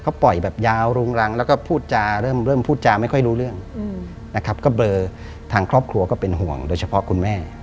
ก็ปล่อยแบบยาวรุงรังแล้วก็พูดจาเริ่มพูดจาไม่ค่อยรู้เรื่องนะครับก็เบลอทางครอบครัวก็เป็นห่วงโดยเฉพาะคุณแม่